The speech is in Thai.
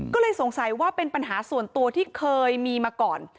ก็เลยสงสัยว่าเป็นปัญหาส่วนตัวที่เคยมีมาก่อน